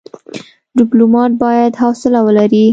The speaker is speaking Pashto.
ډيپلومات بايد حوصله ولري.